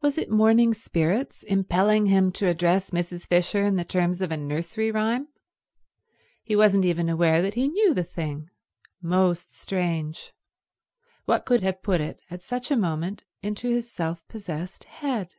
Was it morning spirits impelling him to address Mrs. Fisher in the terms of a nursery rhyme? He wasn't even aware that he knew the thing. Most strange. What could have put it, at such a moment, into his self possessed head?